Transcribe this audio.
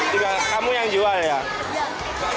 kamu yang jual ya